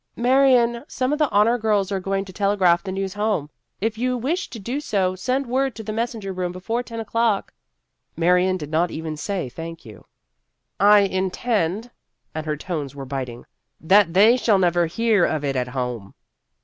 " Marion, some of the ' honor girls ' are going to telegraph the news home. If you wish to do so, send word to the messenger room before ten o'clock." Marion did not even say " Thank you." " I intend," and her tones were biting, " that they shall never hear of it at home."